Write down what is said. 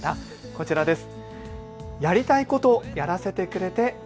こちらです。